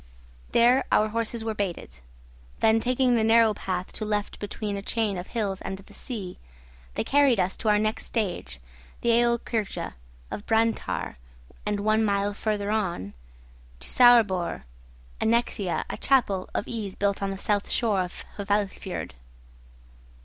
There our horses were baited; then taking the narrow path to left between a chain of hills and the sea, they carried us to our next stage, the aolkirkja of Brantär and one mile farther on, to Saurboër 'Annexia,' a chapel of ease built on the south shore of the Hvalfiord.